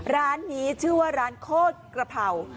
ร้านนี้ชื่อว่าร้านโคตรกระเพรา